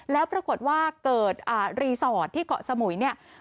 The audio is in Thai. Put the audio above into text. แล้วปรากฏว่าเกิดรีสอร์ทที่เกาะสมุยเนี่ย